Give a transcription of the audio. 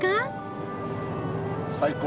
最高！